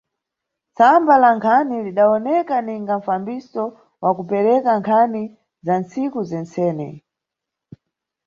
Tsamba la nkhani lidawoneka ninga mfambiso wa kupereka nkhani za nntsiku zentsene.